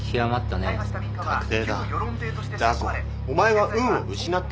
ダー子お前は運を失った。